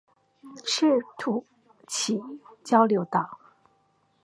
赤土崎交流道